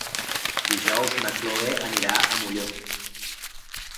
Dijous na Chloé anirà a Molló.